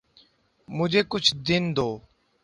مجھے کچھ دن دو۔